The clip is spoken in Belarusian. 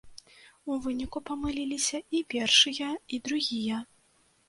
У выніку памыліліся і першыя, і другія.